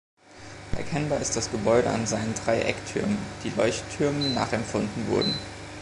Erkennbar ist das Gebäude an seinen drei Ecktürmen, die Leuchttürmen nachempfunden wurden.